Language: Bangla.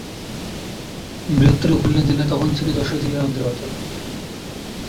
বৃহত্তর খুলনা জেলা তখন ছিল যশোর জেলার অন্তর্গত।